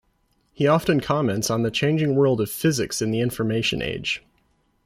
He often comments on the changing world of physics in the Information Age.